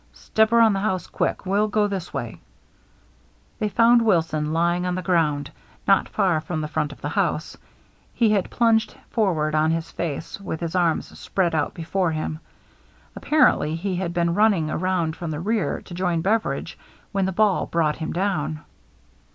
"Step around the house, quick. We'll go this way." They found Wilson lying on the ground, not far from the front of the house. He had plunged forward on his face, with his arms spread out before him. Apparently he had been running around from the rear to join Beveridge when the ball brought him down.